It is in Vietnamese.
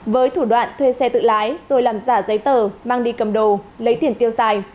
với thủ đoạn thuê xe tự lái rồi làm giả giấy tờ mang đi cầm đồ lấy tiền tiêu xài